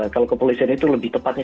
kalau kepolisian itu lebih tepatnya